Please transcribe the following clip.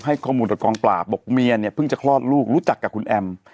ข้อมูลกับกองปราบบอกเมียเนี่ยเพิ่งจะคลอดลูกรู้จักกับคุณแอม